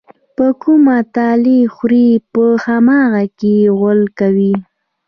په کومه تالې خوري، په هماغه کې غول کوي.